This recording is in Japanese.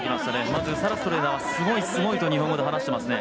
まずサラストレーナーはすごい、すごいと日本語で話していますね。